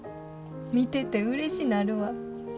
見ててうれしなるわ。